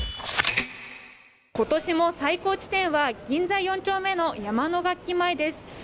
今年も最高地点は銀座４丁目の山野楽器前です。